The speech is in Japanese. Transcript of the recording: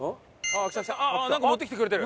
なんか持ってきてくれてる。